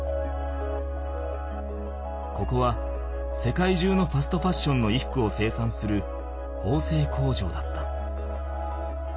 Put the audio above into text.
ここは世界中のファストファッションの衣服を生産するほうせい工場だった。